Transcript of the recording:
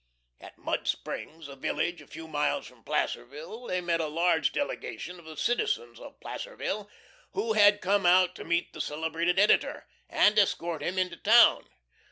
At Mud Springs, a village a few miles from Placerville, they met a large delegation of the citizens of Placerville, who had come out to meet the celebrated editor, and escort him into town.